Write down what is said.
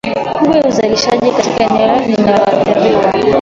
kubwa ya uzalishaji katika eneo lililoathiriwa